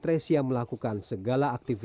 tresya sudah bertahun tahun saja di rumah ini